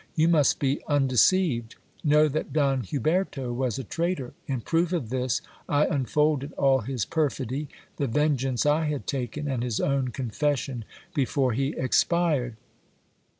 You must be unde ceived. Know that Don Huberto was a traitor. In proof of this I unfolded all his perfidy, the vengeance I had taken, and his own confession before he expired.